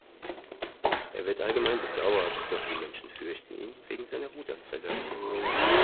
Er wird allgemein bedauert, doch die Menschen fürchten ihn wegen seiner Wutanfälle.